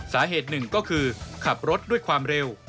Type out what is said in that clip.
สาเหตุหนึ่งก็คือขับรถด้วยความเร็ว